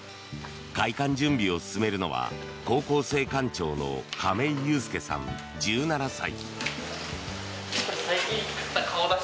開館準備を進めるのは高校生館長の亀井裕介さん、１７歳。